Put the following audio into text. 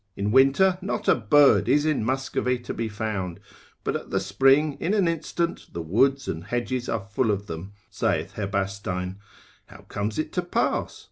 In winter not a bird is in Muscovy to be found, but at the spring in an instant the woods and hedges are full of them, saith Herbastein: how comes it to pass?